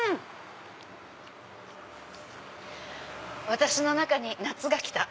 私の中に夏が来た！